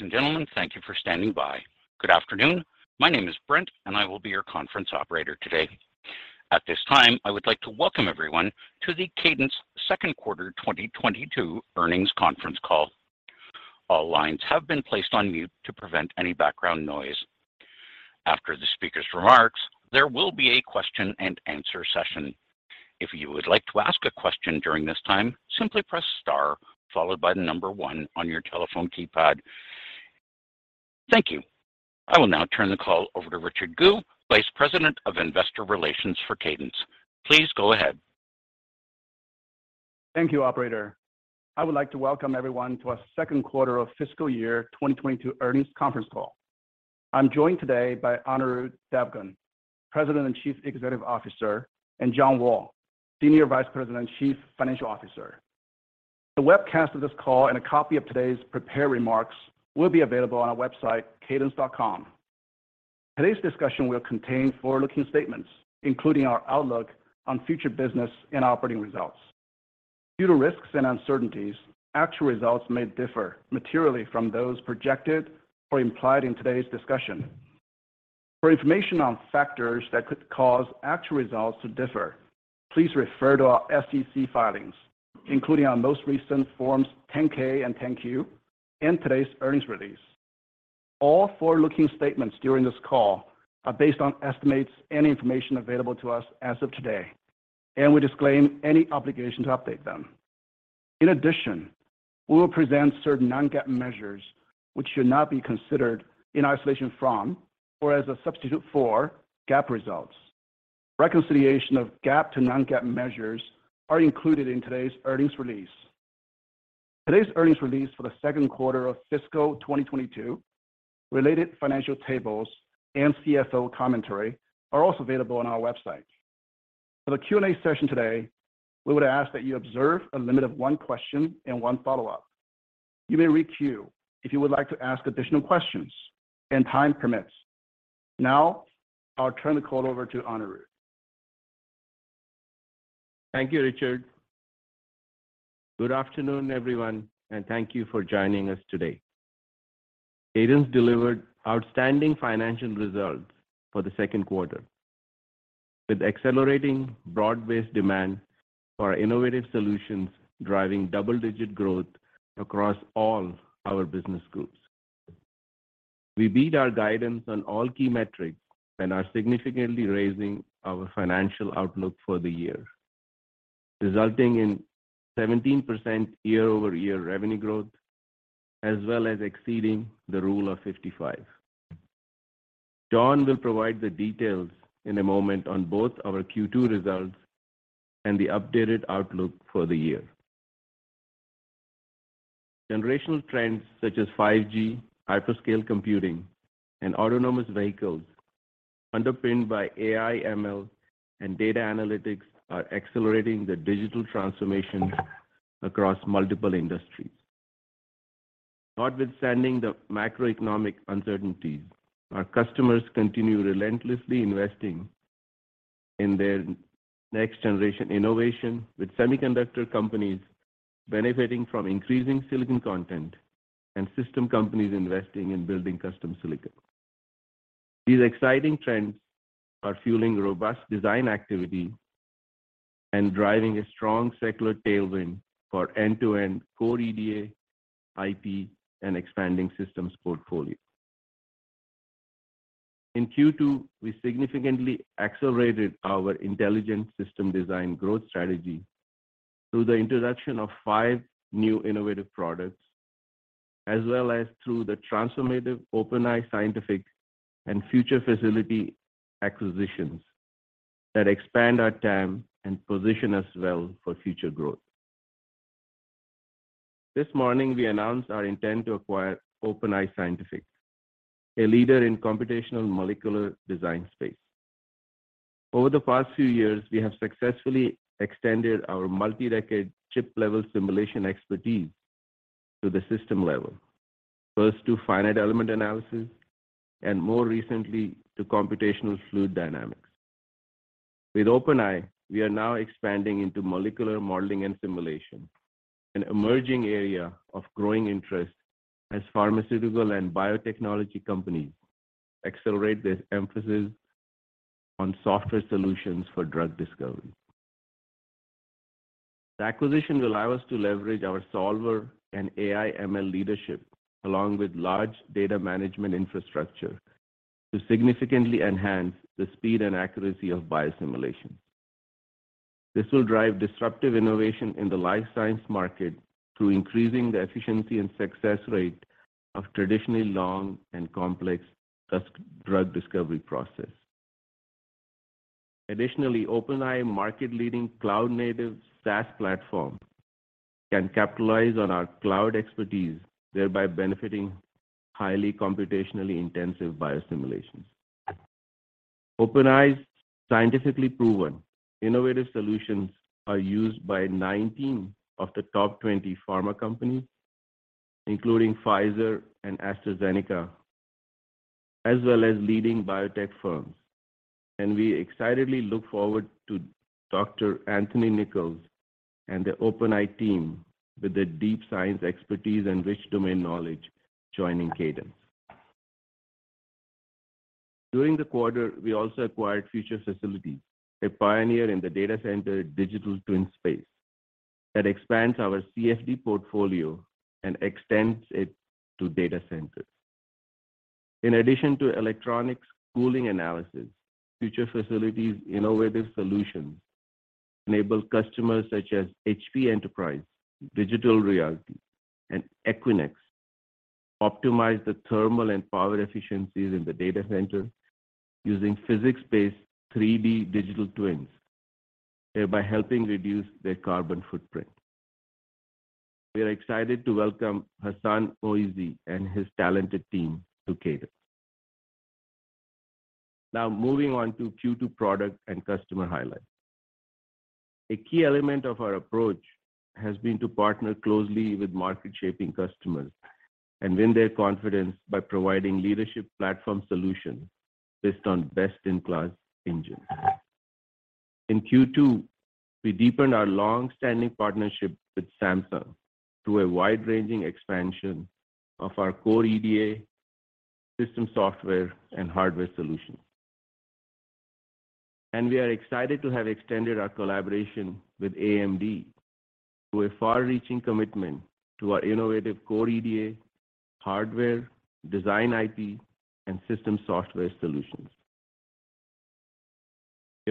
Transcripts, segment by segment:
Ladies and gentlemen, thank you for standing by. Good afternoon. My name is Brent, and I will be your conference operator today. At this time, I would like to welcome everyone to the Cadence second quarter 2022 earnings conference call. All lines have been placed on mute to prevent any background noise. After the speaker's remarks, there will be a question and answer session. If you would like to ask a question during this time, simply press star followed by the number one on your telephone keypad. Thank you. I will now turn the call over to Richard Gu, Vice President of Investor Relations for Cadence. Please go ahead. Thank you, operator. I would like to welcome everyone to our second quarter of fiscal year 2022 earnings conference call. I'm joined today by Anirudh Devgan, President and Chief Executive Officer, and John Wall, Senior Vice President and Chief Financial Officer. The webcast of this call and a copy of today's prepared remarks will be available on our website, cadence.com. Today's discussion will contain forward-looking statements, including our outlook on future business and operating results. Due to risks and uncertainties, actual results may differ materially from those projected or implied in today's discussion. For information on factors that could cause actual results to differ, please refer to our SEC filings, including our most recent Forms 10-K and 10-Q and today's earnings release. All forward-looking statements during this call are based on estimates and information available to us as of today, and we disclaim any obligation to update them. In addition, we will present certain non-GAAP measures which should not be considered in isolation from or as a substitute for GAAP results. Reconciliation of GAAP to non-GAAP measures are included in today's earnings release. Today's earnings release for the second quarter of fiscal 2022, related financial tables, and CFO commentary are also available on our website. For the Q&A session today, we would ask that you observe a limit of one question and one follow-up. You may re-queue if you would like to ask additional questions and time permits. Now I'll turn the call over to Anirudh. Thank you, Richard. Good afternoon, everyone, and thank you for joining us today. Cadence delivered outstanding financial results for the second quarter with accelerating broad-based demand for our innovative solutions driving double-digit growth across all our business groups. We beat our guidance on all key metrics and are significantly raising our financial outlook for the year, resulting in 17% year-over-year revenue growth, as well as exceeding the Rule of 55. John will provide the details in a moment on both our Q2 results and the updated outlook for the year. Generational trends such as 5G, hyperscale computing, and autonomous vehicles underpinned by AI, ML, and data analytics are accelerating the digital transformation across multiple industries. Notwithstanding the macroeconomic uncertainties, our customers continue relentlessly investing in their next-generation innovation, with semiconductor companies benefiting from increasing silicon content and system companies investing in building custom silicon. These exciting trends are fueling robust design activity and driving a strong secular tailwind for end-to-end core EDA, IP, and expanding systems portfolio. In Q2, we significantly accelerated our intelligent system design growth strategy through the introduction of five new innovative products, as well as through the transformative OpenEye Scientific and Future Facilities acquisitions that expand our TAM and position us well for future growth. This morning, we announced our intent to acquire OpenEye Scientific, a leader in computational molecular design space. Over the past few years, we have successfully extended our multi-decade chip-level simulation expertise to the system level, first to finite element analysis and more recently to computational fluid dynamics. With OpenEye, we are now expanding into molecular modeling and simulation, an emerging area of growing interest as pharmaceutical and biotechnology companies accelerate their emphasis on software solutions for drug discovery. The acquisition will allow us to leverage our solver and AI ML leadership, along with large data management infrastructure, to significantly enhance the speed and accuracy of biosimulation. This will drive disruptive innovation in the life science market through increasing the efficiency and success rate of traditionally long and complex drug discovery process. Additionally, OpenEye market-leading cloud-native SaaS platform can capitalize on our cloud expertise, thereby benefiting highly computationally intensive biosimulations. OpenEye scientifically proven innovative solutions are used by 19 of the top 20 pharma companies, including Pfizer and AstraZeneca. As well as leading biotech firms. We excitedly look forward to Dr. Anthony Nicholls and the OpenEye team with their deep science expertise and rich domain knowledge joining Cadence. During the quarter, we also acquired Future Facilities, a pioneer in the data center digital twin space, that expands our CFD portfolio and extends it to data centers. In addition to electronics cooling analysis, Future Facilities' innovative solutions enable customers such as HP Enterprise, Digital Realty, and Equinix optimize the thermal and power efficiencies in the data center using physics-based 3D digital twins, thereby helping reduce their carbon footprint. We are excited to welcome Hassan Moezzi and his talented team to Cadence. Now moving on to Q2 product and customer highlights. A key element of our approach has been to partner closely with market-shaping customers and win their confidence by providing leadership platform solutions based on best-in-class engines. In Q2, we deepened our long-standing partnership with Samsung through a wide-ranging expansion of our core EDA, system software, and hardware solutions. We are excited to have extended our collaboration with AMD through a far-reaching commitment to our innovative core EDA, hardware, design IP, and system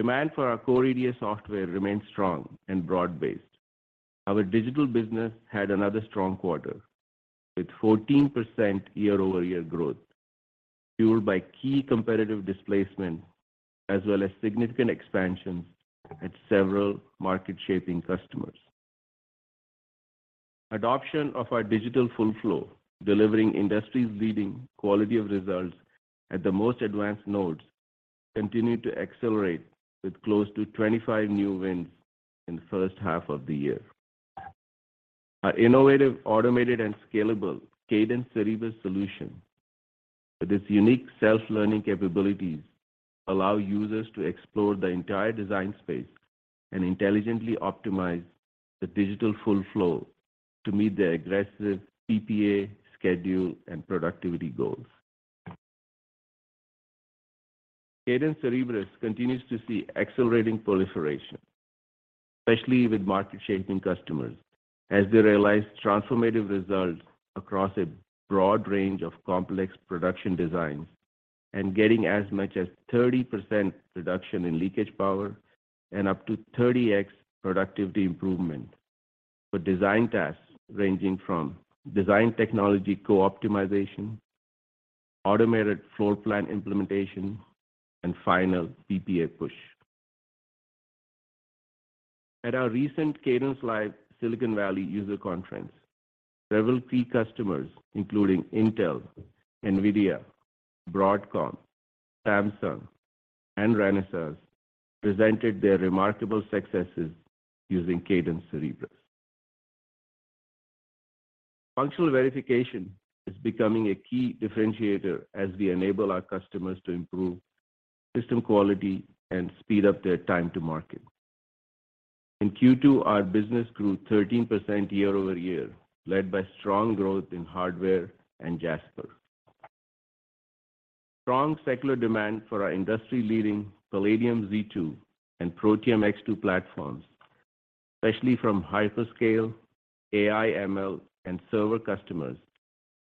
software solutions. Demand for our core EDA software remains strong and broad-based. Our digital business had another strong quarter, with 14% year-over-year growth, fueled by key competitive displacement as well as significant expansions at several market-shaping customers. Adoption of our digital full flow, delivering industry's leading quality of results at the most advanced nodes, continued to accelerate with close to 25 new wins in the first half of the year. Our innovative, automated, and scalable Cadence Cerebrus solution with its unique self-learning capabilities allow users to explore the entire design space and intelligently optimize the digital full flow to meet their aggressive PPA schedule and productivity goals. Cadence Cerebrus continues to see accelerating proliferation, especially with market-shaping customers, as they realize transformative results across a broad range of complex production designs and getting as much as 30% reduction in leakage power and up to 30x productivity improvement for design tasks ranging from design technology co-optimization, automated floor plan implementation, and final PPA push. At our recent CadenceLIVE Silicon Valley user conference, several key customers, including Intel, Nvidia, Broadcom, Samsung, and Renesas, presented their remarkable successes using Cadence Cerebrus. Functional verification is becoming a key differentiator as we enable our customers to improve system quality and speed up their time to market. In Q2, our business grew 13% year-over-year, led by strong growth in hardware and Jasper. Strong secular demand for our industry-leading Palladium Z2 and Protium X2 platforms, especially from hyperscale, AI, ML, and server customers,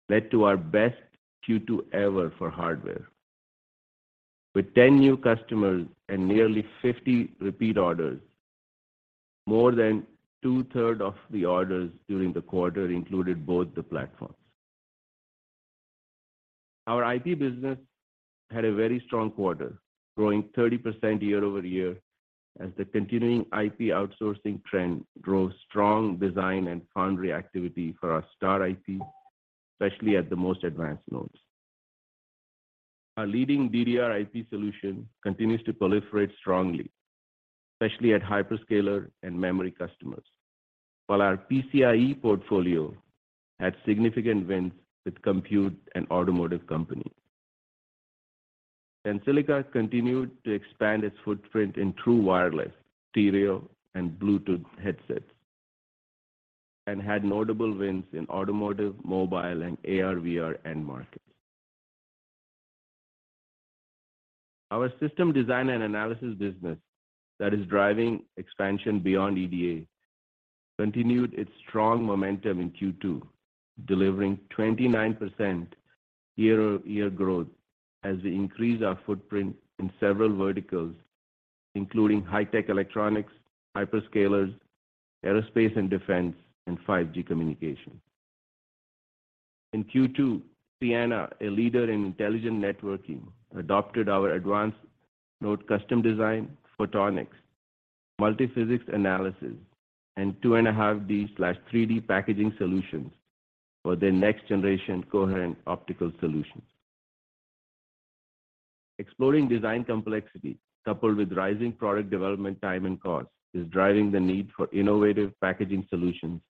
led to our best Q2 ever for hardware. With 10 new customers and nearly 50 repeat orders, more than two-thirds of the orders during the quarter included both the platforms. Our IP business had a very strong quarter, growing 30% year-over-year as the continuing IP outsourcing trend drove strong design and foundry activity for our Star IP, especially at the most advanced nodes. Our leading DDR IP solution continues to proliferate strongly, especially at hyperscaler and memory customers. While our PCIe portfolio had significant wins with compute and automotive companies. Tensilica continued to expand its footprint in true wireless, stereo, and Bluetooth headsets, and had notable wins in automotive, mobile, and AR/VR end markets. Our system design and analysis business that is driving expansion beyond EDA continued its strong momentum in Q2, delivering 29% year-over-year growth as we increase our footprint in several verticals, including high-tech electronics, hyperscalers, aerospace and defense, and 5G communication. In Q2, Ciena, a leader in intelligent networking, adopted our advanced node custom design, photonics, multiphysics analysis, and 2.5D/3D packaging solutions for their next-generation coherent optical solutions. Exploring design complexity coupled with rising product development time and cost is driving the need for innovative packaging solutions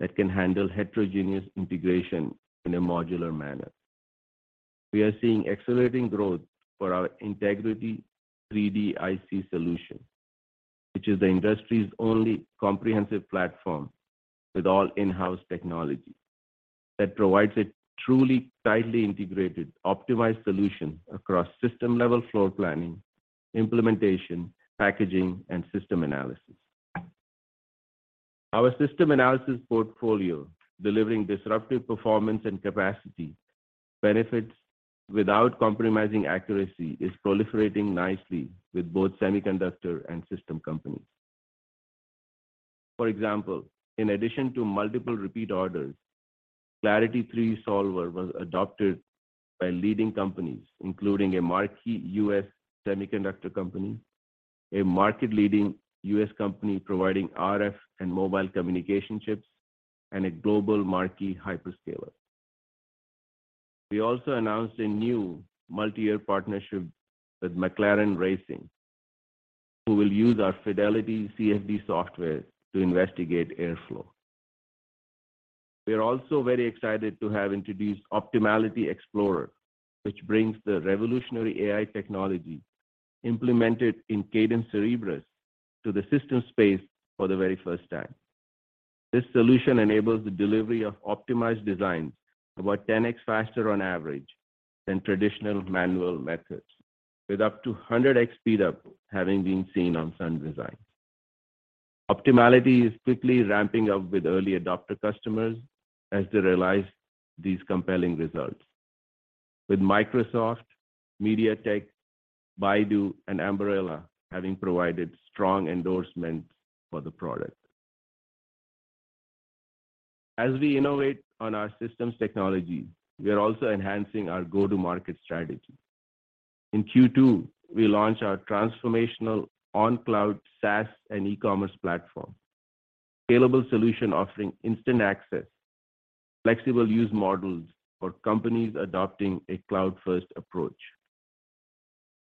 that can handle heterogeneous integration in a modular manner. We are seeing accelerating growth for our Integrity 3D-IC solution, which is the industry's only comprehensive platform with all in-house technology that provides a truly tightly integrated, optimized solution across system level floor planning, implementation, packaging, and system analysis. Our system analysis portfolio, delivering disruptive performance and capacity benefits without compromising accuracy, is proliferating nicely with both semiconductor and system companies. For example, in addition to multiple repeat orders, Clarity 3D Solver was adopted by leading companies, including a marquee U.S. semiconductor company, a market-leading U.S. company providing RF and mobile communication chips, and a global marquee hyperscaler. We also announced a new multi-year partnership with McLaren Racing, who will use our Fidelity CFD software to investigate airflow. We are also very excited to have introduced Optimality Explorer, which brings the revolutionary AI technology implemented in Cadence Cerebrus to the system space for the very first time. This solution enables the delivery of optimized designs about 10x faster on average than traditional manual methods, with up to 100x speedup having been seen on some designs. Optimality is quickly ramping up with early adopter customers as they realize these compelling results, with Microsoft, MediaTek, Baidu, and Ambarella having provided strong endorsements for the product. As we innovate on our systems technology, we are also enhancing our go-to-market strategy. In Q2, we launched our transformational OnCloud SaaS and e-commerce platform, scalable solution offering instant access, flexible use models for companies adopting a cloud-first approach.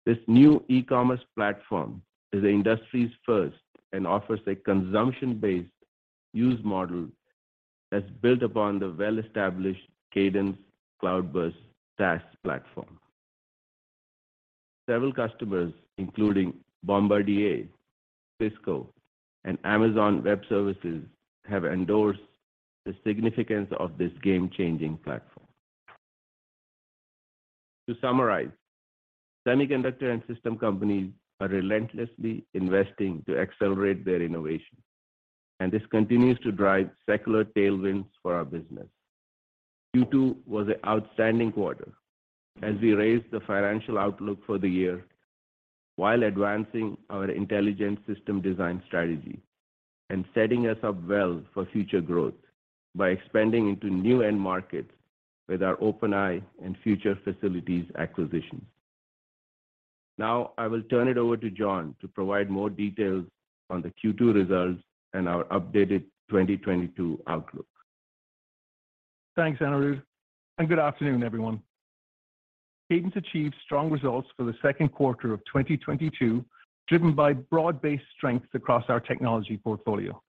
This new e-commerce platform is the industry's first and offers a consumption-based use model that's built upon the well-established Cadence CloudBurst SaaS platform. Several customers, including Bombardier, Cisco, and Amazon Web Services, have endorsed the significance of this game-changing platform. To summarize, semiconductor and system companies are relentlessly investing to accelerate their innovation, and this continues to drive secular tailwinds for our business. Q2 was an outstanding quarter as we raised the financial outlook for the year while advancing our intelligent system design strategy and setting us up well for future growth by expanding into new end markets with our OpenEye and Future Facilities acquisitions. Now I will turn it over to John to provide more details on the Q2 results and our updated 2022 outlook. Thanks, Anirudh, and good afternoon, everyone. Cadence achieved strong results for the second quarter of 2022, driven by broad-based strengths across our technology portfolio.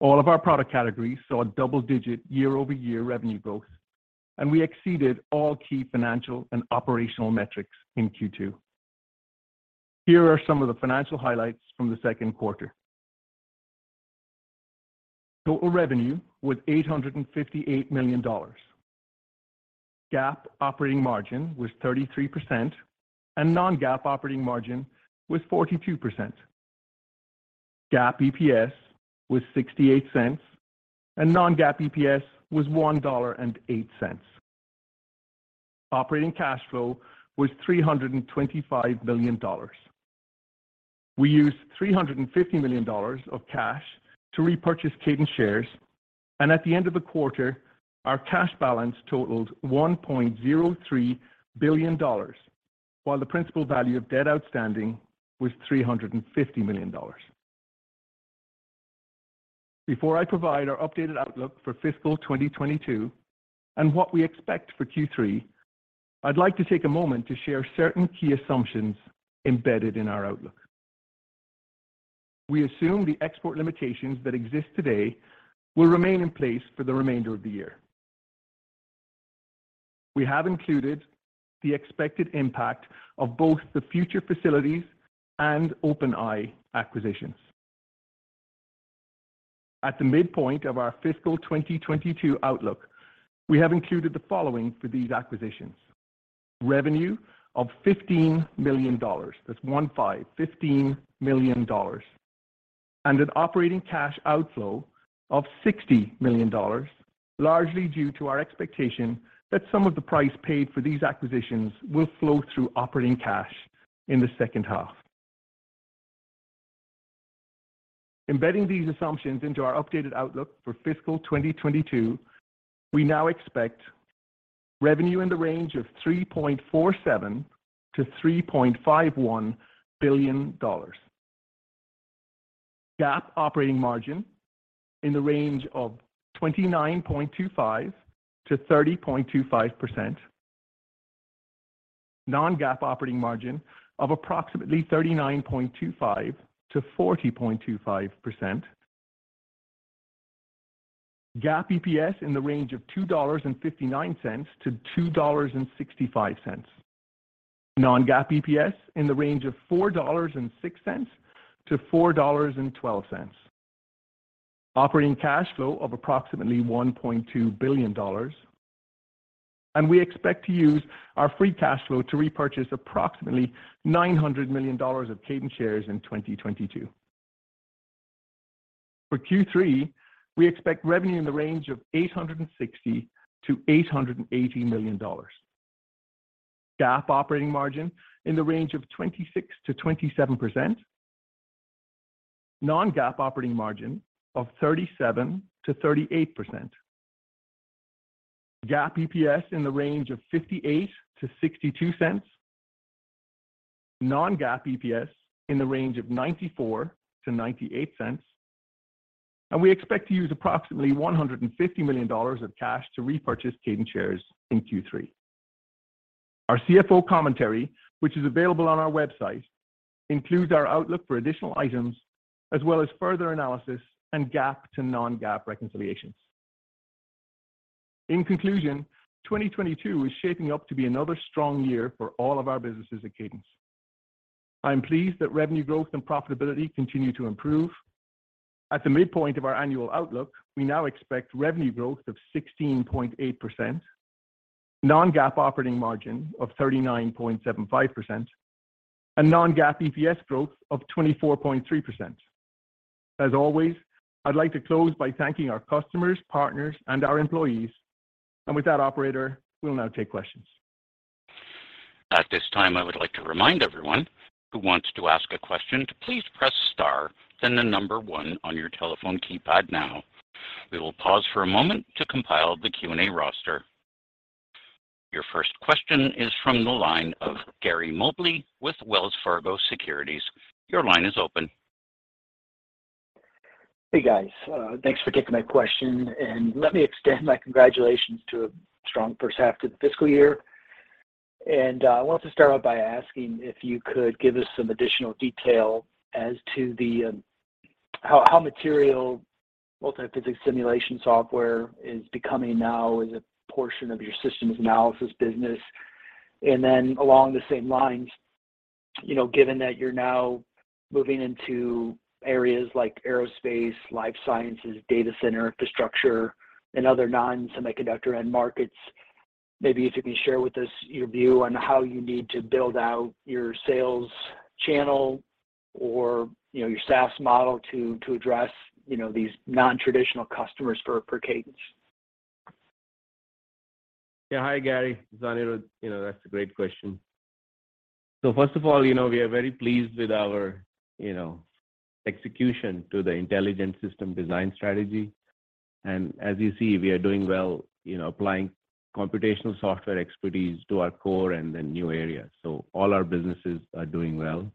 All of our product categories saw a double-digit year-over-year revenue growth, and we exceeded all key financial and operational metrics in Q2. Here are some of the financial highlights from the second quarter. Total revenue was $858 million. GAAP operating margin was 33%, and non-GAAP operating margin was 42%. GAAP EPS was $0.68, and non-GAAP EPS was $1.08. Operating cash flow was $325 million. We used $350 million of cash to repurchase Cadence shares, and at the end of the quarter, our cash balance totaled $1.03 billion, while the principal value of debt outstanding was $350 million. Before I provide our updated outlook for fiscal 2022 and what we expect for Q3, I'd like to take a moment to share certain key assumptions embedded in our outlook. We assume the export limitations that exist today will remain in place for the remainder of the year. We have included the expected impact of both the Future Facilities and OpenEye acquisitions. At the midpoint of our fiscal 2022 outlook, we have included the following for these acquisitions. Revenue of $15 million. That's 15, $15 million. An operating cash outflow of $60 million, largely due to our expectation that some of the price paid for these acquisitions will flow through operating cash in the second half. Embedding these assumptions into our updated outlook for fiscal 2022, we now expect revenue in the range of $3.47 billion-$3.51 billion. GAAP operating margin in the range of 29.25%-30.25%. Non-GAAP operating margin of approximately 39.25%-40.25%. GAAP EPS in the range of $2.59-$2.65. Non-GAAP EPS in the range of $4.06-$4.12. Operating cash flow of approximately $1.2 billion. We expect to use our free cash flow to repurchase approximately $900 million of Cadence shares in 2022. For Q3, we expect revenue in the range of $860 million-$880 million. GAAP operating margin in the range of 26%-27%. Non-GAAP operating margin of 37%-38%. GAAP EPS in the range of $0.58-$0.62. Non-GAAP EPS in the range of $0.94-$0.98. We expect to use approximately $150 million of cash to repurchase Cadence shares in Q3. Our CFO commentary, which is available on our website, includes our outlook for additional items as well as further analysis and GAAP to non-GAAP reconciliations. In conclusion, 2022 is shaping up to be another strong year for all of our businesses at Cadence. I'm pleased that revenue growth and profitability continue to improve. At the midpoint of our annual outlook, we now expect revenue growth of 16.8%, non-GAAP operating margin of 39.75%, and non-GAAP EPS growth of 24.3%. As always, I'd like to close by thanking our customers, partners, and our employees. With that operator, we'll now take questions. At this time, I would like to remind everyone who wants to ask a question to please press star, then the number one on your telephone keypad now. We will pause for a moment to compile the Q&A roster. Your first question is from the line of Gary Mobley with Wells Fargo Securities. Your line is open. Hey, guys. Thanks for taking my question, and let me extend my congratulations to a strong first half of the fiscal year. I wanted to start out by asking if you could give us some additional detail as to how material multiphysics simulation software is becoming now as a portion of your systems analysis business. Along the same lines, you know, given that you're now moving into areas like aerospace, life sciences, data center infrastructure, and other non-semiconductor end markets, maybe if you can share with us your view on how you need to build out your sales channel or, you know, your SaaS model to address these nontraditional customers for Cadence. Yeah. Hi, Gary. This is Anirudh. You know, that's a great question. First of all, you know, we are very pleased with our, you know, execution to the intelligent system design strategy. As you see, we are doing well, you know, applying computational software expertise to our core and then new areas. All our businesses are doing well.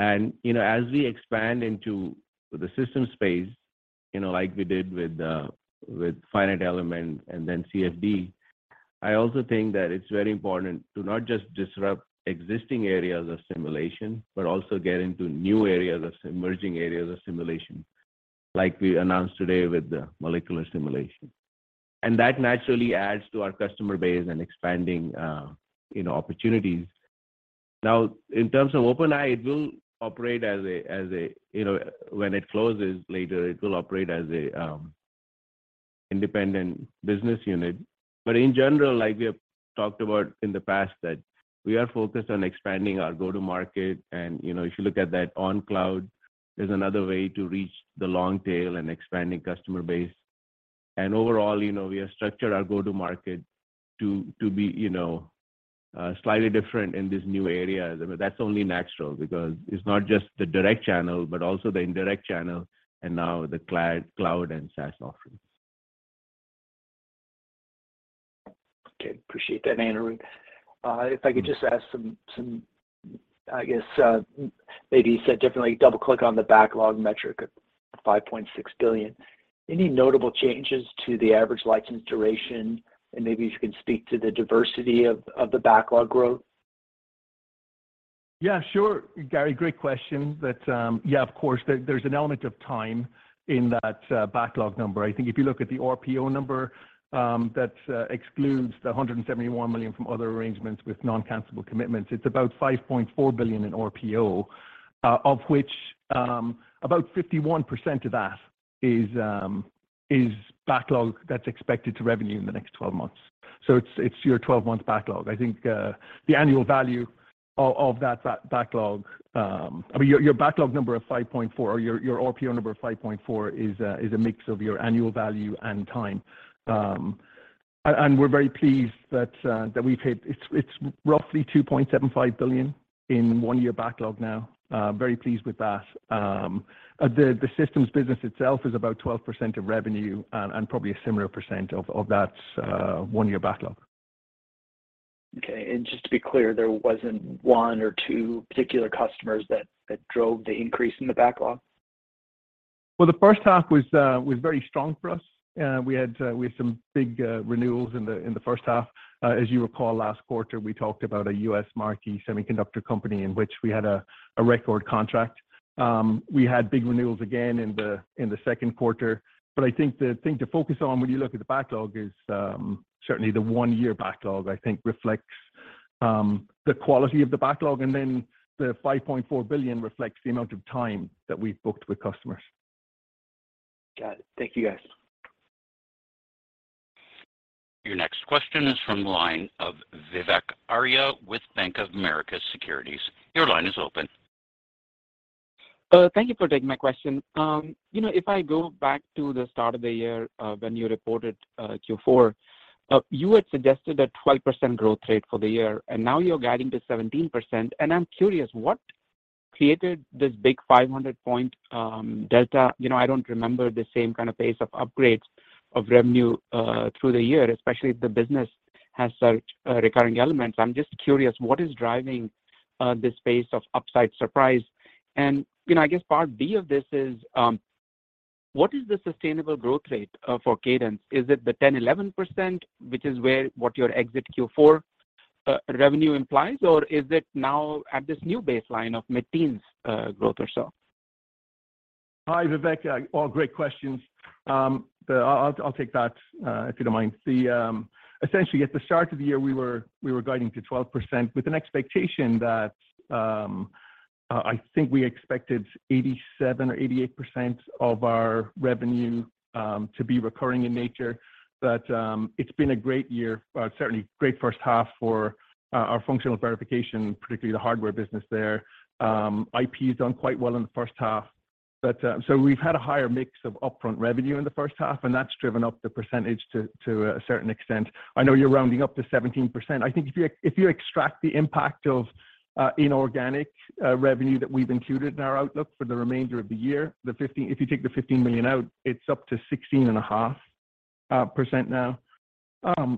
You know, as we expand into the system space, you know, like we did with finite element and then CFD, I also think that it's very important to not just disrupt existing areas of simulation, but also get into new areas of emerging areas of simulation, like we announced today with the molecular simulation. That naturally adds to our customer base and expanding, you know, opportunities. Now, in terms of OpenEye, it will operate as. You know, when it closes later, it will operate as an independent business unit. In general, like we have talked about in the past, that we are focused on expanding our go-to-market. You know, if you look at that Cadence OnCloud, there's another way to reach the long tail and expanding customer base. Overall, you know, we have structured our go-to-market to be, you know, slightly different in these new areas. I mean, that's only natural because it's not just the direct channel, but also the indirect channel and now the cloud and SaaS offerings. Okay. Appreciate that, Anirudh. If I could just ask some, I guess, maybe let's definitely double-click on the backlog metric of $5.6 billion. Any notable changes to the average license duration? Maybe if you can speak to the diversity of the backlog growth. Yeah, sure. Gary, great question. That, yeah, of course, there's an element of time in that backlog number. I think if you look at the RPO number, that excludes the $171 million from other arrangements with non-cancelable commitments. It's about $5.4 billion in RPO, of which, about 51% of that is backlog that's expected to revenue in the next 12 months. So it's your 12-month backlog. I think the annual value of that backlog, I mean, your backlog number of $5.4 billion or your RPO number of $5.4 billion is a mix of your annual value and time. And we're very pleased that we've hit. It's roughly $2.75 billion in one year backlog now. Very pleased with that. The systems business itself is about 12% of revenue and probably a similar percent of that one-year backlog. Okay. Just to be clear, there wasn't one or two particular customers that drove the increase in the backlog? Well, the first half was very strong for us. We had some big renewals in the first half. As you recall, last quarter, we talked about a U.S. marquee semiconductor company in which we had a record contract. We had big renewals again in the second quarter. I think the thing to focus on when you look at the backlog is certainly the one-year backlog I think reflects the quality of the backlog, and then the $5.4 billion reflects the amount of time that we've booked with customers. Got it. Thank you, guys. Your next question is from the line of Vivek Arya with Bank of America Securities. Your line is open. Thank you for taking my question. You know, if I go back to the start of the year, when you reported Q4, you had suggested a 12% growth rate for the year, and now you're guiding to 17%. I'm curious, what created this big 500-point delta? You know, I don't remember the same kind of pace of upgrades of revenue through the year, especially if the business has such recurring elements. I'm just curious, what is driving this pace of upside surprise? You know, I guess part B of this is, what is the sustainable growth rate for Cadence? Is it the 10%, 11%, which is what your exit Q4 revenue implies? Or is it now at this new baseline of mid-teens growth or so? Hi, Vivek. All great questions. I'll take that, if you don't mind. Essentially at the start of the year, we were guiding to 12% with an expectation that, I think we expected 87% or 88% of our revenue to be recurring in nature. It's been a great year, certainly great first half for our functional verification, particularly the hardware business there. IP has done quite well in the first half. We've had a higher mix of upfront revenue in the first half, and that's driven up the percentage to a certain extent. I know you're rounding up to 17%. I think if you extract the impact of inorganic revenue that we've included in our outlook for the remainder of the year, if you take the $15 million out, it's up to 16.5% now.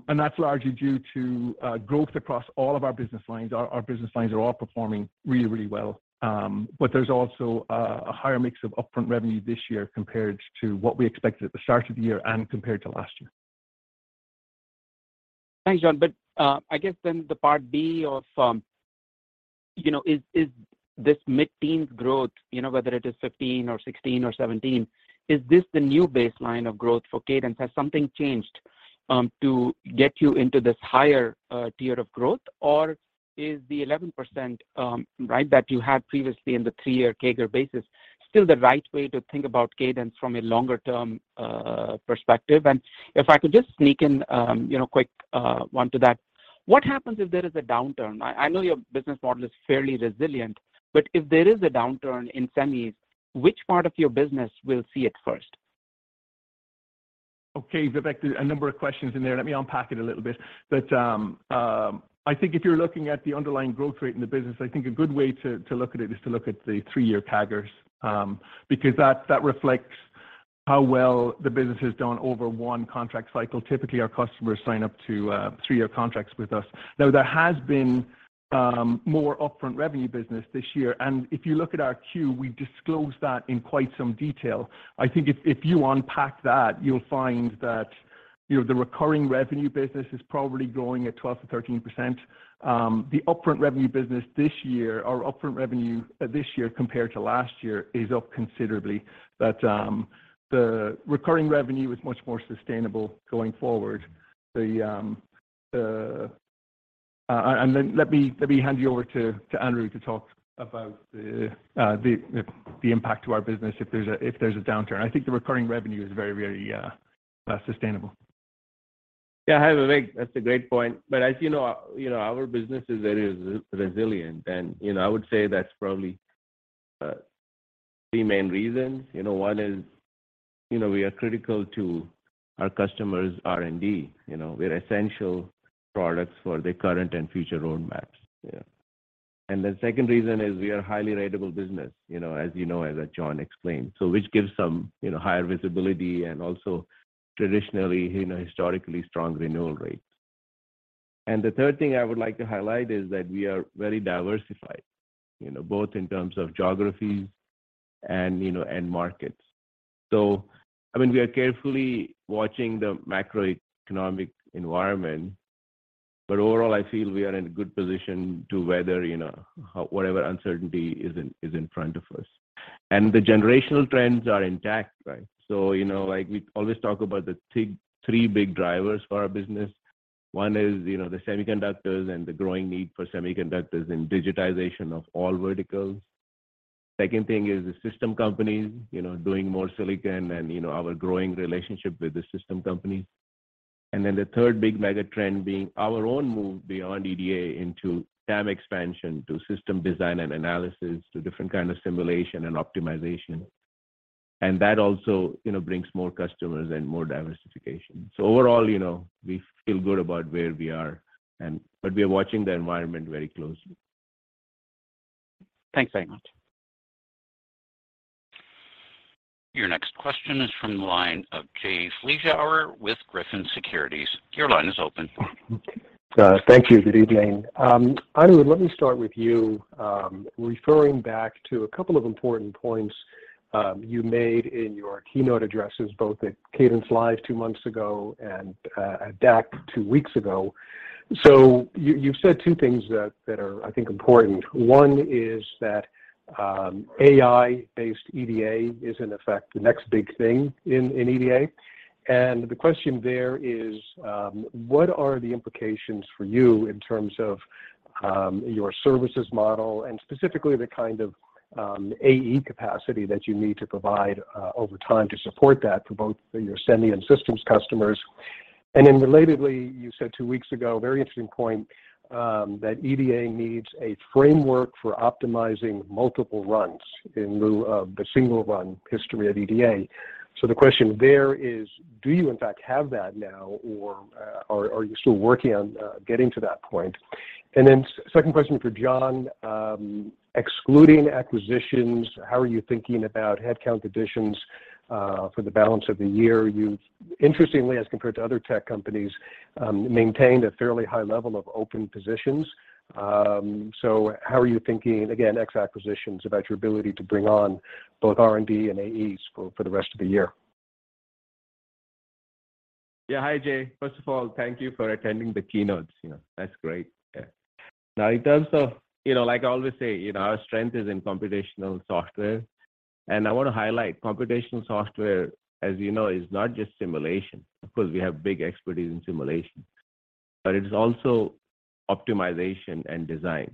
That's largely due to growth across all of our business lines. Our business lines are all performing really well. There's also a higher mix of upfront revenue this year compared to what we expected at the start of the year and compared to last year. Thanks, John. I guess then the part B of, you know, is this mid-teen growth, you know, whether it is 15% or 16% or 17%, is this the new baseline of growth for Cadence? Has something changed to get you into this higher tier of growth? Or is the 11%, right, that you had previously in the three-year CAGR basis still the right way to think about Cadence from a longer term perspective? If I could just sneak in, you know, quick one to that. What happens if there is a downturn? I know your business model is fairly resilient, but if there is a downturn in semis, which part of your business will see it first? Okay, Vivek, a number of questions in there. Let me unpack it a little bit. I think if you're looking at the underlying growth rate in the business, I think a good way to look at it is to look at the three-year CAGRs, because that reflects how well the business has done over one contract cycle. Typically, our customers sign up to three-year contracts with us. Now, there has been more upfront revenue business this year, and if you look at our 10-Q, we disclose that in quite some detail. I think if you unpack that, you'll find that, you know, the recurring revenue business is probably growing at 12%-13%. The upfront revenue business this year, our upfront revenue this year compared to last year is up considerably. The recurring revenue is much more sustainable going forward. Let me hand you over to Anirudh to talk about the impact to our business if there's a downturn. I think the recurring revenue is very sustainable. Yeah. Hi, Vivek. That's a great point. As you know, you know, our business is very resilient and, you know, I would say that's probably three main reasons. You know, one is, you know, we are critical to our customers' R&D. You know, we're essential products for their current and future roadmaps. Yeah. The second reason is we are highly ratable business, you know, as you know, as John explained. Which gives some, you know, higher visibility and also traditionally, you know, historically strong renewal rates. The third thing I would like to highlight is that we are very diversified, you know, both in terms of geographies and, you know, end markets. I mean, we are carefully watching the macroeconomic environment, but overall, I feel we are in a good position to weather, you know, whatever uncertainty is in front of us. The generational trends are intact, right? You know, like we always talk about the three big drivers for our business. One is, you know, the semiconductors and the growing need for semiconductors in digitization of all verticals. Second thing is the system companies, you know, doing more silicon and, you know, our growing relationship with the system companies. Then the third big mega trend being our own move beyond EDA into TAM expansion, to system design and analysis, to different kind of simulation and optimization. That also, you know, brings more customers and more diversification. Overall, you know, we feel good about where we are, but we are watching the environment very closely. Thanks very much. Your next question is from the line of Jay Vleeschhouwer with Griffin Securities. Your line is open. Thank you. Good evening. Anirudh, let me start with you, referring back to a couple of important points you made in your keynote addresses, both at CadenceLIVE two months ago and at DAC two weeks ago. You've said two things that are, I think, important. One is that AI-based EDA is in effect the next big thing in EDA. The question there is, what are the implications for you in terms of your services model and specifically the kind of AE capacity that you need to provide over time to support that for both your semi and systems customers? Relatedly, you said two weeks ago, very interesting point, that EDA needs a framework for optimizing multiple runs in lieu of the single run history of EDA. The question there is, do you in fact have that now, or are you still working on getting to that point? Second question for John, excluding acquisitions, how are you thinking about headcount additions for the balance of the year? You've interestingly, as compared to other tech companies, maintained a fairly high level of open positions. How are you thinking, again, ex acquisitions, about your ability to bring on both R&D and AEs for the rest of the year? Yeah. Hi, Jay. First of all, thank you for attending the keynotes. You know, that's great. Yeah. Now, in terms of, you know, like I always say, you know, our strength is in computational software, and I want to highlight computational software, as you know, is not just simulation. Of course, we have big expertise in simulation, but it is also optimization and design.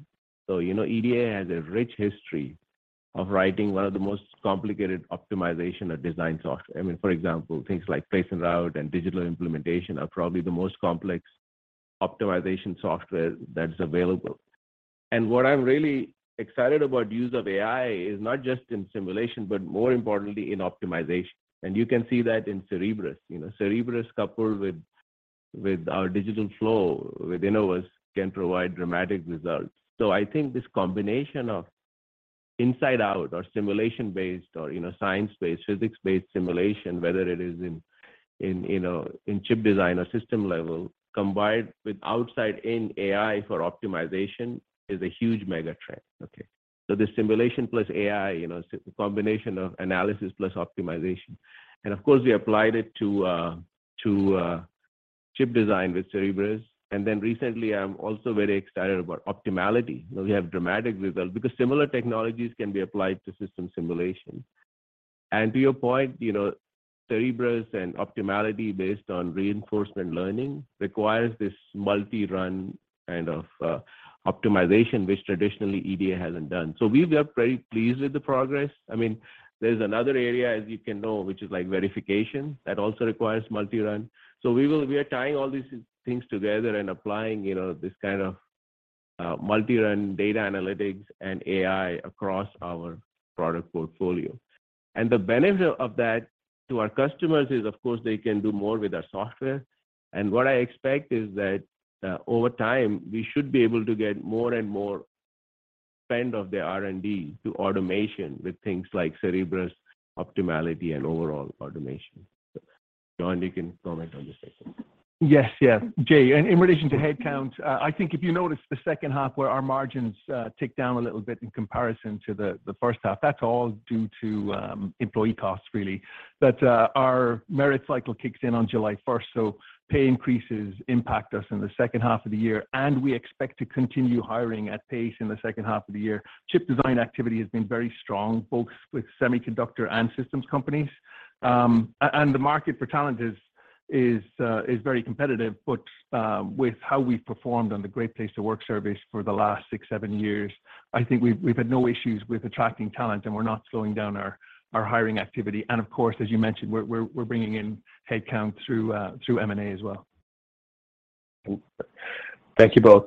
You know, EDA has a rich history of writing one of the most complicated optimization or design software. I mean, for example, things like place and route and digital implementation are probably the most complex optimization software that's available. What I'm really excited about use of AI is not just in simulation, but more importantly in optimization. You can see that in Cerebrus. You know, Cerebrus coupled with our digital flow with Innovus can provide dramatic results. I think this combination of inside out or simulation-based or science-based, physics-based simulation, whether it is in chip design or system level, combined with outside in AI for optimization is a huge mega trend. Okay. The simulation plus AI, it's a combination of analysis plus optimization, and of course we applied it to chip design with Cerebrus. Recently, I'm also very excited about optimality. We have dramatic results because similar technologies can be applied to system simulation. To your point, Cerebrus and optimality based on reinforcement learning requires this multi-run kind of optimization, which traditionally EDA hasn't done. We are very pleased with the progress. I mean, there's another area, as you know, which is like verification that also requires multi-run. We are tying all these things together and applying, you know, this kind of multi-run data analytics and AI across our product portfolio. The benefit of that to our customers is of course they can do more with our software. What I expect is that over time, we should be able to get more and more spend of the R&D to automation with things like Cerebrus, Optimality, and overall automation. John, you can comment on this section. Yes. Yeah. Jay, in relation to headcount, I think if you notice the second half where our margins tick down a little bit in comparison to the first half, that's all due to employee costs really. Our merit cycle kicks in on July first, so pay increases impact us in the second half of the year, and we expect to continue hiring at pace in the second half of the year. Chip design activity has been very strong, both with semiconductor and systems companies. And the market for talent is very competitive, but with how we've performed on the Great Place to Work service for the last six, seven years, I think we've had no issues with attracting talent and we're not slowing down our hiring activity. Of course, as you mentioned, we're bringing in headcount through M&A as well. Thank you both.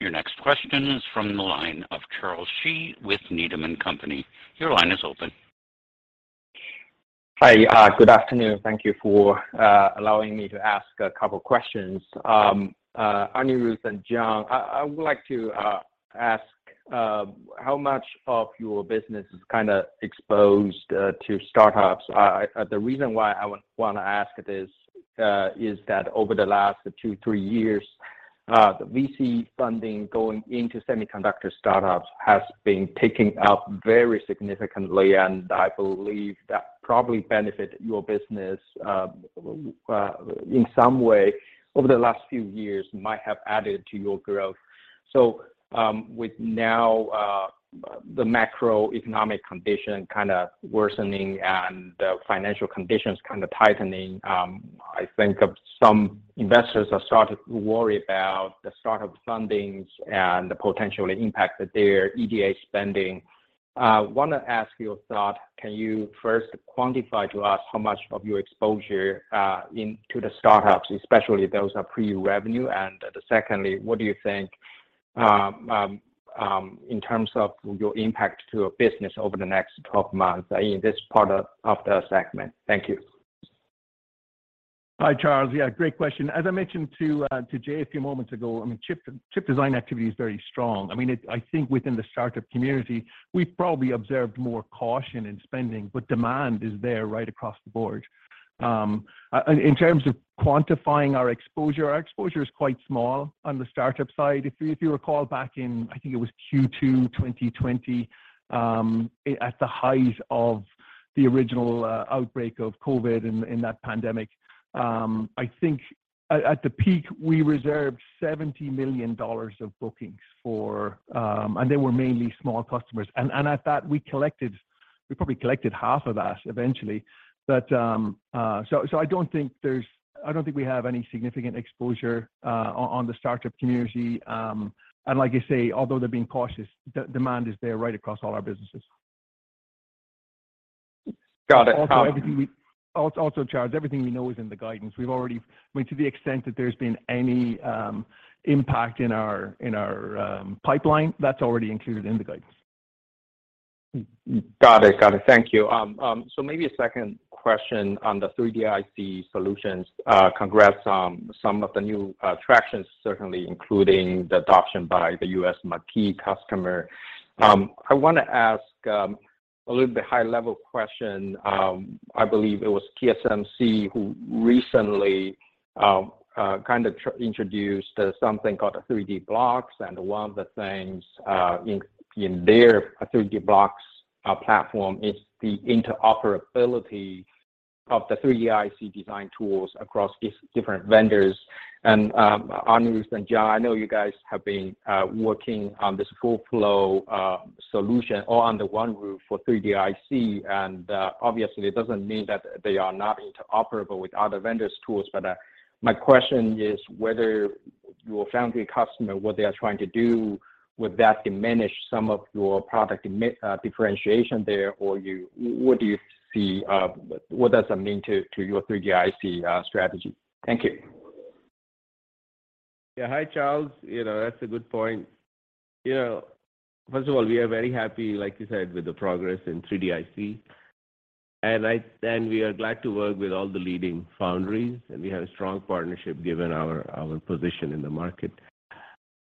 Your next question is from the line of Charles Shi with Needham & Company. Your line is open. Hi. Good afternoon. Thank you for allowing me to ask a couple questions. Anirudh and John, I would like to ask how much of your business is kind of exposed to startups? The reason why I want to ask this is that over the last two to three years the VC funding going into semiconductor startups has been picking up very significantly, and I believe that probably benefit your business in some way over the last few years, might have added to your growth. With now the macroeconomic condition kind of worsening and the financial conditions kind of tightening, I think some investors have started to worry about the startup fundings and the potential impact that their EDA spending. Want to ask your thought, can you first quantify to us how much of your exposure into the startups, especially those are pre-revenue? Secondly, what do you think, in terms of your impact to your business over the next 12 months in this part of the segment? Thank you. Hi, Charles. Yeah, great question. As I mentioned to Jay a few moments ago, I mean, chip design activity is very strong. I mean, I think within the startup community, we've probably observed more caution in spending, but demand is there right across the board. In terms of quantifying our exposure, our exposure is quite small on the startup side. If you recall back in, I think it was Q2, 2020, at the height of the original outbreak of COVID in that pandemic, I think at the peak, we reserved $70 million of bookings, and they were mainly small customers. And at that we collected—we probably collected half of that eventually. But so I don't think there's I don't think we have any significant exposure on the startup community. Like you say, although they're being cautious, demand is there right across all our businesses. Got it. Also, Charles, everything we know is in the guidance. We've already I mean, to the extent that there's been any impact in our pipeline, that's already included in the guidance. Got it. Thank you. Maybe a second question on the 3D-IC solutions. Congrats on some of the new traction, certainly including the adoption by the U.S. marquee customer. I wanna ask a little bit high-level question. I believe it was TSMC who recently kind of introduced something called a 3Dblox, and one of the things in their 3Dblox platform is the interoperability of the 3D-IC design tools across these different vendors. Anirudh and John, I know you guys have been working on this full flow solution all under one roof for 3D-IC. Obviously it doesn't mean that they are not interoperable with other vendors tools. My question is whether your foundry customer, what they are trying to do, would that diminish some of your product differentiation there? Or what do you see, what does that mean to your 3D-IC strategy? Thank you. Yeah. Hi, Charles. You know, that's a good point. You know, first of all, we are very happy, like you said, with the progress in 3D-IC, and we are glad to work with all the leading foundries, and we have a strong partnership given our position in the market.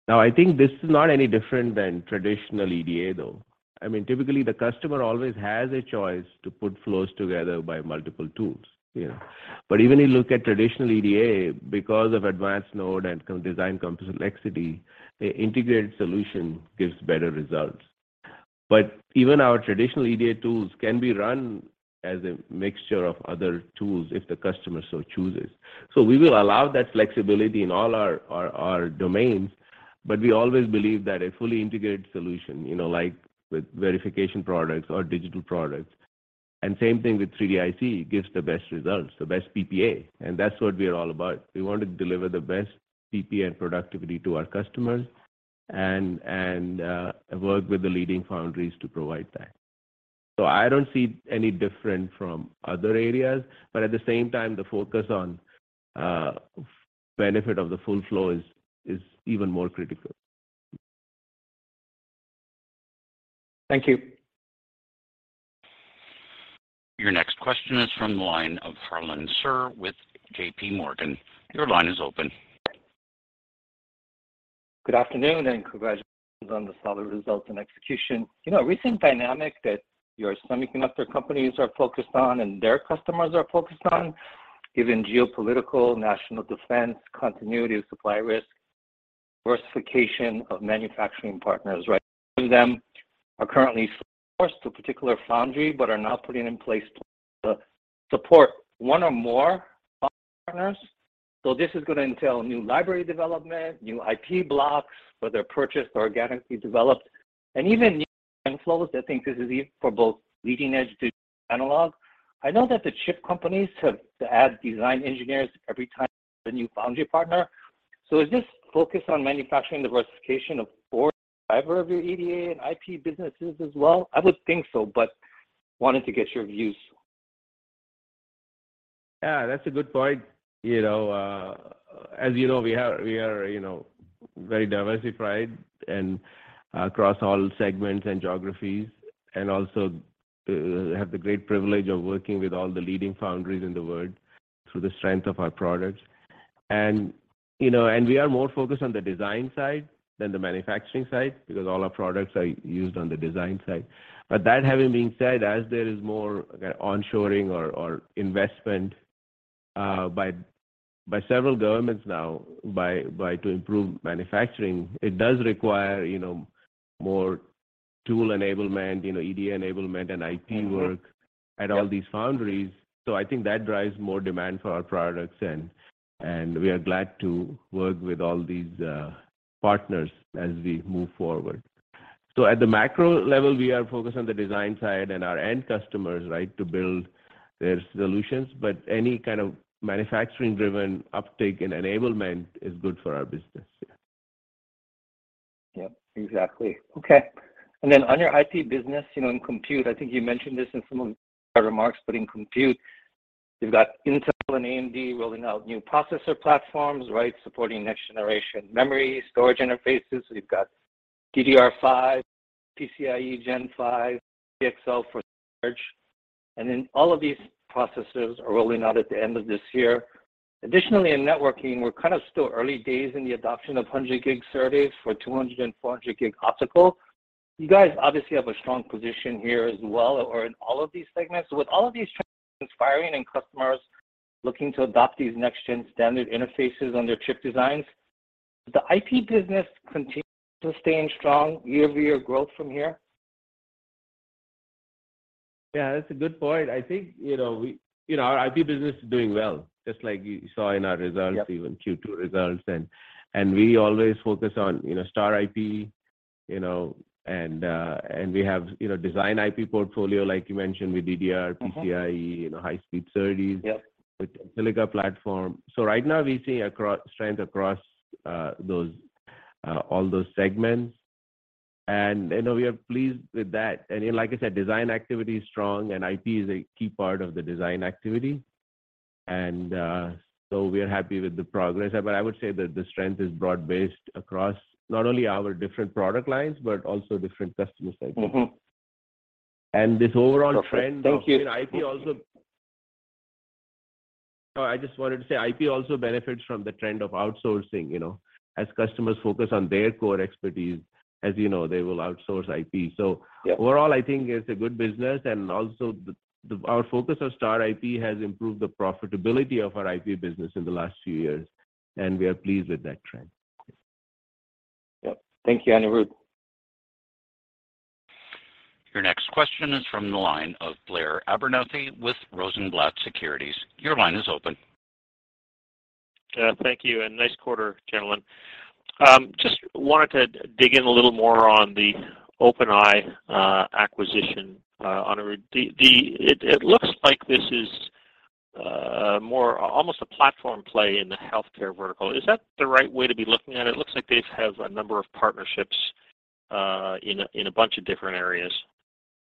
Now, I think this is not any different than traditional EDA, though. I mean, typically the customer always has a choice to put flows together by multiple tools, you know. But even if you look at traditional EDA, because of advanced node and design complexity, an integrated solution gives better results. But even our traditional EDA tools can be run as a mixture of other tools if the customer so chooses. We will allow that flexibility in all our domains, but we always believe that a fully integrated solution, you know, like with verification products or digital products, and same thing with 3D-IC gives the best results, the best PPA, and that's what we are all about. We want to deliver the best PPA and productivity to our customers and work with the leading foundries to provide that. I don't see any difference from other areas, but at the same time, the focus on benefit of the full flow is even more critical. Thank you. Your next question is from the line of Harlan Sur with JPMorgan. Your line is open. Good afternoon, and congratulations on the solid results and execution. You know, a recent dynamic that your semiconductor companies are focused on and their customers are focused on, given geopolitical, national defense, continuity of supply risk, diversification of manufacturing partners, right? Some of them are currently forced to a particular foundry but are now putting in place to support one or more partners. This is gonna entail new library development, new IP blocks, whether purchased or organically developed, and even new workflows. I think this is for both leading edge to analog. I know that the chip companies have to add design engineers every time a new foundry partner. Is this focus on manufacturing diversification a force driver of your EDA and IP businesses as well? I would think so, but wanted to get your views. Yeah, that's a good point. You know, as you know, we are, you know, very diversified and across all segments and geographies and also have the great privilege of working with all the leading foundries in the world through the strength of our products. You know, and we are more focused on the design side than the manufacturing side because all our products are used on the design side. That having been said, as there is more onshoring or investment by several governments now to improve manufacturing, it does require, you know, more tool enablement, you know, EDA enablement and IP work at all these foundries. I think that drives more demand for our products and we are glad to work with all these partners as we move forward. At the macro level, we are focused on the design side and our end customers, right, to build their solutions, but any kind of manufacturing driven uptake and enablement is good for our business. Yeah. Yep, exactly. Okay. On your IP business, you know, in compute, I think you mentioned this in some of your remarks, but in compute, you've got Intel and AMD rolling out new processor platforms, right? Supporting next generation memory storage interfaces. We've got DDR5, PCIe Gen 5, CXL for storage, and then all of these processes are rolling out at the end of this year. Additionally, in networking, we're kind of still early days in the adoption of 100 gig SerDes for 200 gig and 400 gig optical. You guys obviously have a strong position here as well or in all of these segments. With all of these trends inspiring and customers looking to adopt these next gen standard interfaces on their chip designs, the IP business continue to staying strong year-over-year growth from here? Yeah, that's a good point. I think, you know, we, you know, our IP business is doing well, just like you saw in our results. Yep. even Q2 results. We always focus on, you know, Star IP, you know, and we have, you know, design IP portfolio, like you mentioned, with DDR- Mm-hmm. -PCIe, you know, high speed SerDes- Yep. with Tensilica platform. Right now we see strength across all those segments. You know, we are pleased with that. Like I said, design activity is strong, and IP is a key part of the design activity. We are happy with the progress. I would say that the strength is broad-based across not only our different product lines, but also different customer segments. Mm-hmm. And this overall trend of- Perfect. Thank you. No, I just wanted to say IP also benefits from the trend of outsourcing, you know, as customers focus on their core expertise, as you know, they will outsource IP. So Yeah. Overall, I think it's a good business, and also our focus on Star IP has improved the profitability of our IP business in the last few years, and we are pleased with that trend. Yep. Thank you, Anirudh. Your next question is from the line of Blair Abernethy with Rosenblatt Securities. Your line is open. Thank you and nice quarter, gentlemen. Just wanted to dig in a little more on the OpenEye acquisition, Anirudh. It looks like this is more almost a platform play in the healthcare vertical. Is that the right way to be looking at it? It looks like they have a number of partnerships in a bunch of different areas.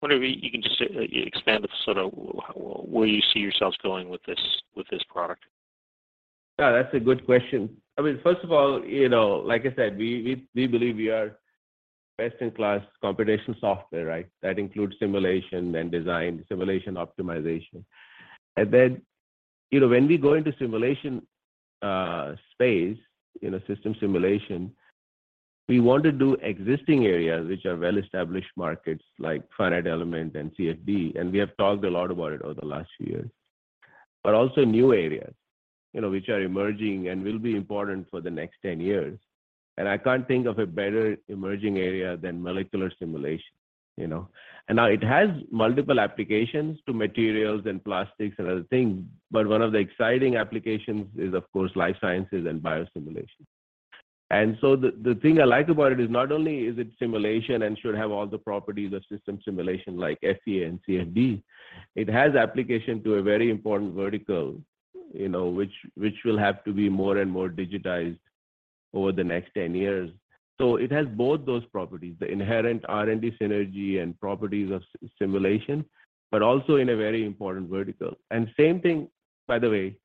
Wondering if you can just expand the sort of where you see yourselves going with this, with this product. Yeah, that's a good question. I mean, first of all, you know, like I said, we believe we are best in class computational software, right? That includes simulation and design, simulation optimization. Then, you know, when we go into simulation space, you know, system simulation, we want to do existing areas which are well-established markets like finite element and CFD, and we have talked a lot about it over the last few years. Also new areas, you know, which are emerging and will be important for the next 10 years. I can't think of a better emerging area than molecular simulation, you know. Now it has multiple applications to materials and plastics and other things, but one of the exciting applications is, of course, life sciences and biosimulation. The thing I like about it is not only is it simulation and should have all the properties of system simulation like FEA and CFD, it has application to a very important vertical, you know, which will have to be more and more digitized over the next 10 years. It has both those properties, the inherent R&D synergy and properties of simulation, but also in a very important vertical. Same thing, by the way,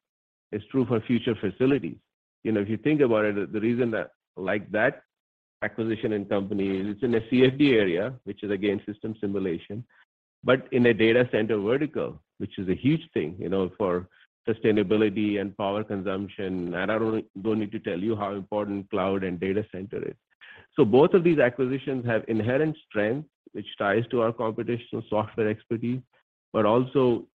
is true for Future Facilities. You know, if you think about it, the reason that I like that acquisition and company is it's in a CFD area, which is again system simulation, but in a data center vertical, which is a huge thing, you know, for sustainability and power consumption. I don't need to tell you how important cloud and data center is. Both of these acquisitions have inherent strength, which ties to our computational software expertise, but also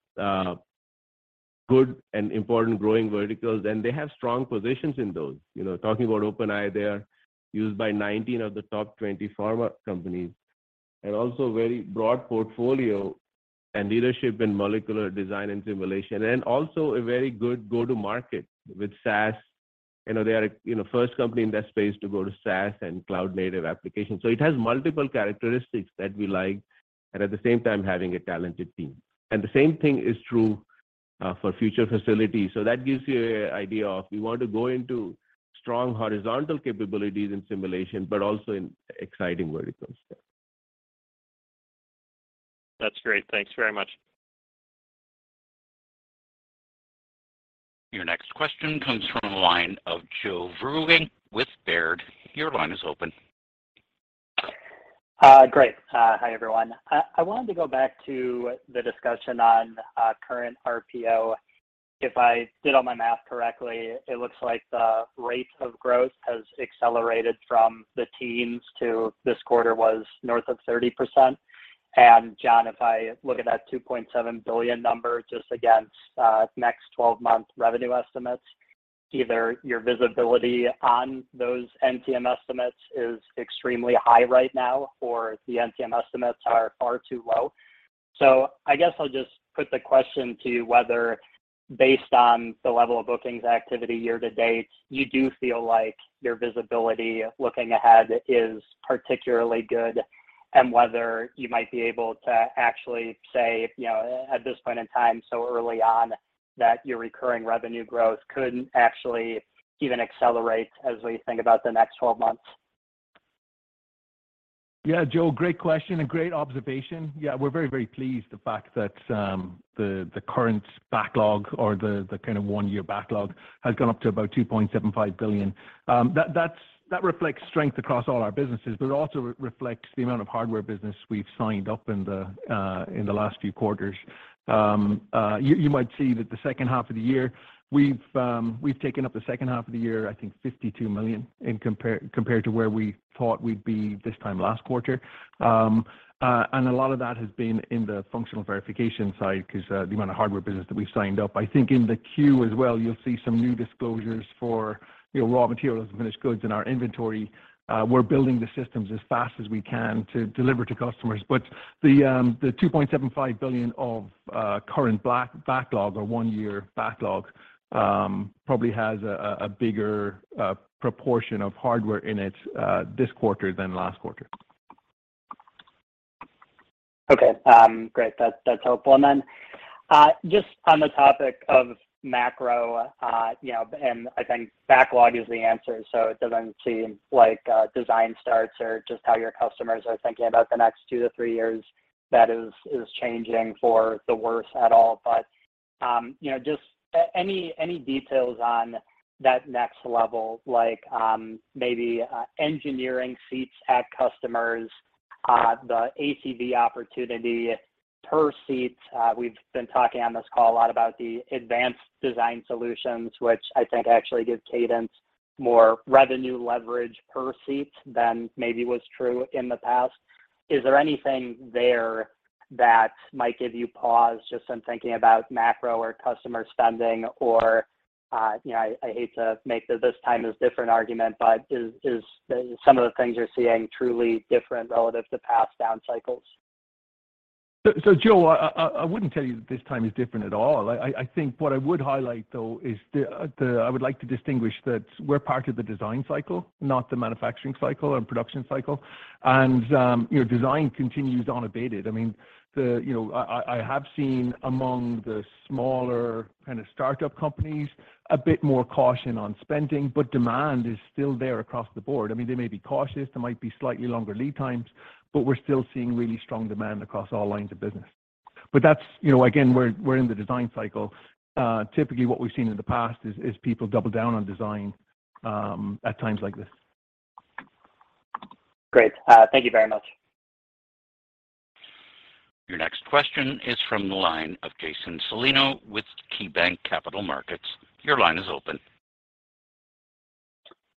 good and important growing verticals, and they have strong positions in those. You know, talking about OpenEye, they are used by 19 of the top 20 pharma companies, and also very broad portfolio and leadership in molecular design and simulation, and also a very good go-to-market with SaaS. You know, they are, you know, first company in that space to go to SaaS and cloud native applications. It has multiple characteristics that we like and at the same time having a talented team. The same thing is true for Future Facilities. That gives you an idea of we want to go into strong horizontal capabilities in simulation, but also in exciting verticals there. That's great. Thanks very much. Your next question comes from the line of Joe Vruwink with Baird. Your line is open. Hi, everyone. I wanted to go back to the discussion on current RPO. If I did all my math correctly, it looks like the rate of growth has accelerated from the teens to this quarter was north of 30%. John, if I look at that $2.7 billion number just against next 12-month revenue estimates, either your visibility on those NTM estimates is extremely high right now, or the NTM estimates are far too low. I guess I'll just put the question to you whether based on the level of bookings activity year to date, you do feel like your visibility looking ahead is particularly good and whether you might be able to actually say, you know, at this point in time, so early on, that your recurring revenue growth could actually even accelerate as we think about the next 12 months? Yeah, Joe, great question and great observation. Yeah, we're very, very pleased with the fact that the current backlog or the kind of one-year backlog has gone up to about $2.75 billion. That reflects strength across all our businesses, but it also reflects the amount of hardware business we've signed up in the last few quarters. You might see that the second half of the year, we've taken up the second half of the year, I think $52 million compared to where we thought we'd be this time last quarter. And a lot of that has been in the functional verification side 'cause the amount of hardware business that we've signed up. I think in the 10-Q as well, you'll see some new disclosures for, you know, raw materials and finished goods in our inventory. We're building the systems as fast as we can to deliver to customers. The $2.75 billion of current backlog or one-year backlog probably has a bigger proportion of hardware in it this quarter than last quarter. Okay. Great. That's helpful. Then, just on the topic of macro, you know, and I think backlog is the answer, so it doesn't seem like design starts or just how your customers are thinking about the next two to three years that is changing for the worse at all. But, you know, just any details on that next level, like, maybe engineering seats at customers, the ACV opportunity per seat. We've been talking on this call a lot about the advanced design solutions, which I think actually give Cadence more revenue leverage per seat than maybe was true in the past. Is there anything there that might give you pause just in thinking about macro or customer spending or, you know, I hate to make the this time is different argument, but is some of the things you're seeing truly different relative to past down cycles? Joe, I wouldn't tell you that this time is different at all. I think what I would highlight, though, is, I would like to distinguish that we're part of the design cycle, not the manufacturing cycle and production cycle. You know, design continues unabated. I mean, you know, I have seen among the smaller kind of startup companies a bit more caution on spending, but demand is still there across the board. I mean, they may be cautious, there might be slightly longer lead times, but we're still seeing really strong demand across all lines of business. That's, you know, again, we're in the design cycle. Typically what we've seen in the past is people double down on design at times like this. Great. Thank you very much. Your next question is from the line of Jason Celino with KeyBanc Capital Markets. Your line is open.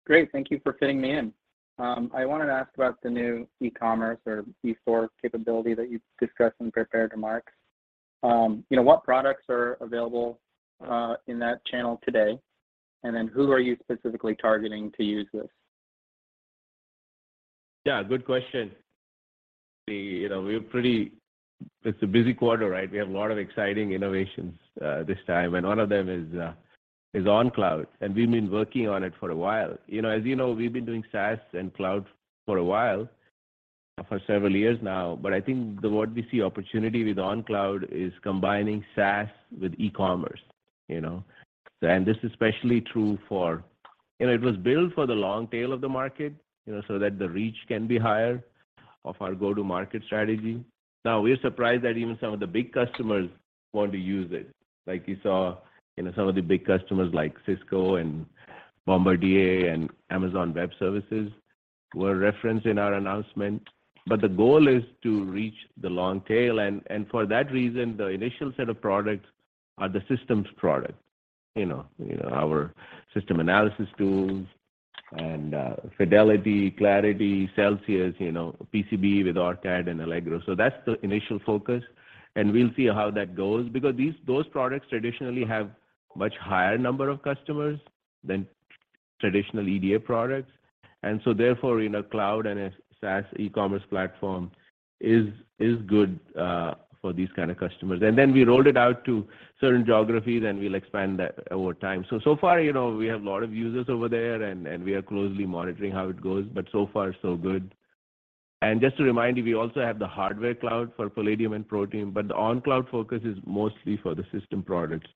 Great. Thank you for fitting me in. I wanted to ask about the new e-commerce or e-store capability that you discussed in prepared remarks. You know, what products are available in that channel today? Who are you specifically targeting to use this? Yeah, good question. You know, it's a busy quarter, right? We have a lot of exciting innovations this time, and all of them is Cadence OnCloud, and we've been working on it for a while. You know, as you know, we've been doing SaaS and cloud for a while, for several years now. I think the way we see opportunity with Cadence OnCloud is combining SaaS with e-commerce, you know. This is especially true, you know. It was built for the long tail of the market, you know, so that the reach can be higher of our go-to-market strategy. Now, we're surprised that even some of the big customers want to use it. Like you saw, you know, some of the big customers like Cisco and Bombardier and Amazon Web Services were referenced in our announcement. The goal is to reach the long tail. For that reason, the initial set of products are the systems product, you know. You know, our system analysis tools and, Fidelity, Clarity, Celsius, you know, PCB with OrCAD and Allegro. That's the initial focus, and we'll see how that goes because those products traditionally have much higher number of customers than traditional EDA products. Therefore, in a cloud and a SaaS e-commerce platform is good for these kind of customers. Then we rolled it out to certain geographies, and we'll expand that over time. So far, you know, we have a lot of users over there and we are closely monitoring how it goes, but so far, so good. Just to remind you, we also have the hardware cloud for Palladium and Protium, but the on-cloud focus is mostly for the system products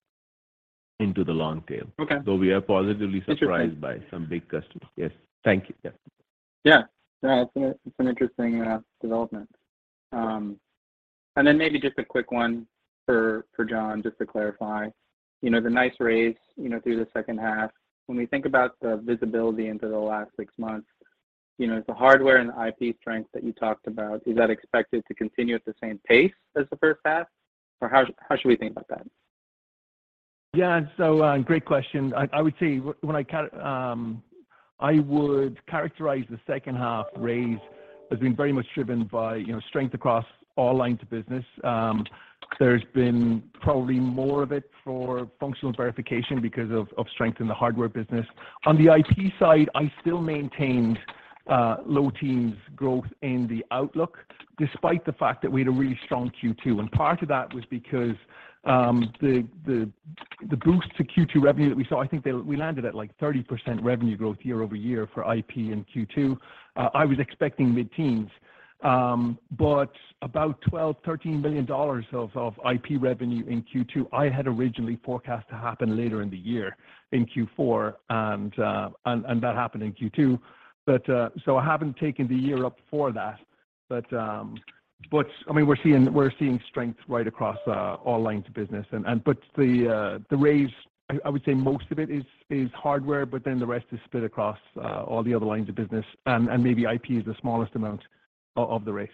into the long tail. Okay. Though we are positively surprised. Interesting. by some big customers. Yes. Thank you. Yeah. It's an interesting development. Maybe just a quick one for John, just to clarify. You know, the nice raise, you know, through the second half, when we think about the visibility into the last six months, you know, the hardware and IP strength that you talked about, is that expected to continue at the same pace as the first half? Or how should we think about that? Yeah. Great question. I would characterize the second half raise as being very much driven by, you know, strength across all lines of business. There's been probably more of it for functional verification because of strength in the hardware business. On the IP side, I still maintained low teens growth in the outlook, despite the fact that we had a really strong Q2, and part of that was because the boost to Q2 revenue that we saw. We landed at like 30% revenue growth year-over-year for IP in Q2. I was expecting mid-teens, but about $12 billion-$13 billion of IP revenue in Q2, I had originally forecast to happen later in the year in Q4, and that happened in Q2. I haven't taken the year up for that, but I mean, we're seeing strength right across all lines of business. The raise, I would say most of it is hardware, but then the rest is split across all the other lines of business, and maybe IP is the smallest amount of the raise.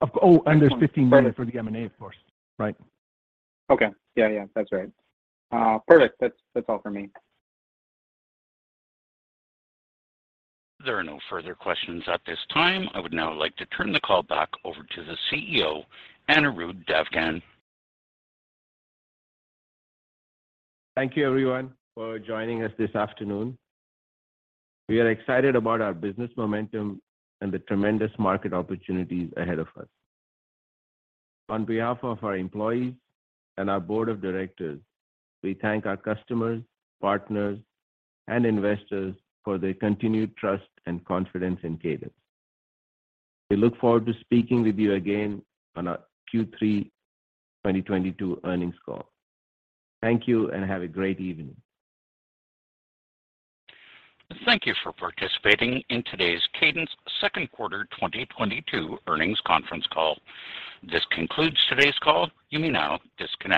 Of course. Oh, and there's $15 billion for the M&A, of course. Right. Okay. Yeah, yeah, that's right. Perfect. That's all for me. There are no further questions at this time. I would now like to turn the call back over to the CEO, Anirudh Devgan. Thank you, everyone, for joining us this afternoon. We are excited about our business momentum and the tremendous market opportunities ahead of us. On behalf of our employees and our board of directors, we thank our customers, partners, and investors for their continued trust and confidence in Cadence. We look forward to speaking with you again on our Q3 2022 earnings call. Thank you and have a great evening. Thank you for participating in today's Cadence second quarter 2022 earnings conference call. This concludes today's call. You may now disconnect.